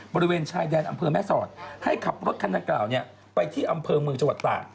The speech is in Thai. บริเวณชายแดนอำเภอแม่สอดให้ขับรถคันดังกล่าวไปที่อำเภอเมืองจังหวัดตาก